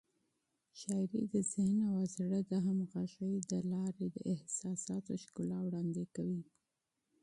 شاعري د ذهن او زړه د همغږۍ له لارې د احساساتو ښکلا وړاندې کوي.